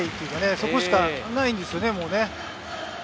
そこしかないんですよね、もう。